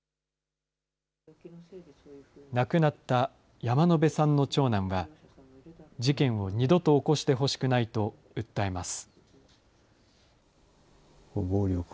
亡くなった山野邉さんの長男は、事件を二度と起こしてほしくないと訴えます。